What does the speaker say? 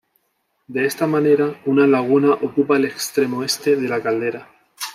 De esta manera, una laguna ocupa el extremo este de la caldera.